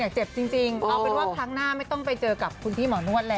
เจ็บจริงเอาเป็นว่าครั้งหน้าไม่ต้องไปเจอกับคุณพี่หมอนวดแล้ว